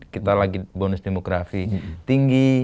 kita lagi bonus demografi tinggi